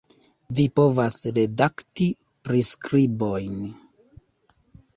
Vi povas redakti priskribojn